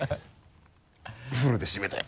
フルで閉めたよ。